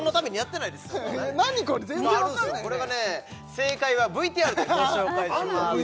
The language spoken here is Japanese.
正解はＶＴＲでご紹介しますあんの？